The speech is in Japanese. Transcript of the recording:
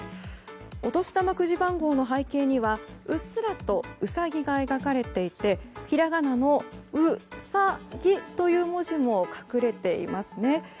お年玉くじ番号の背景にはうっすらとウサギが描かれていてひらがなの「うさぎ」という文字も隠れていますね。